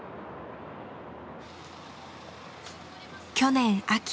去年秋。